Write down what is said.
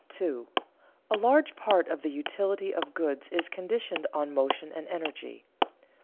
_A large part of the utility of goods is conditioned on motion and energy.